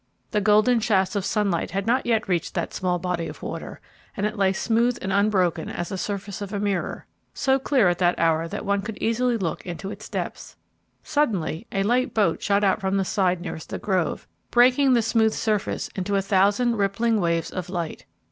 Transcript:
The golden shafts of sunlight had not yet reached that small body of water, and it lay smooth and unbroken as the surface of a mirror, so clear at that hour that one could easily look into its depths. Suddenly a light boat shot out from the side nearest the grove, breaking the smooth surface into a thousand rippling waves of light.